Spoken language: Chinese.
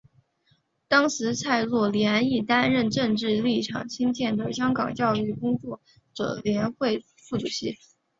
当时蔡若莲亦担任政治立场亲建制的香港教育工作者联会副主席。